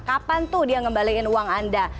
kapan tuh dia ngembalikan uang anda